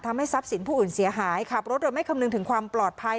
ทำให้ทรัพย์สินผู้อื่นเสียหายขับรถโดยไม่คำนึงถึงความปลอดภัย